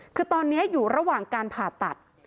คือตอนนี้อยู่ระหว่างการผ่าตัด